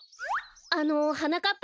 あのはなかっ